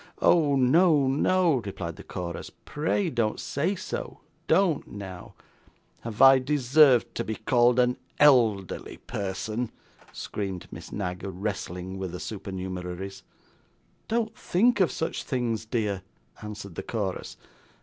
'Oh no, no,' replied the chorus, 'pray don't say so; don't now!' 'Have I deserved to be called an elderly person?' screamed Miss Knag, wrestling with the supernumeraries. 'Don't think of such things, dear,' answered the chorus.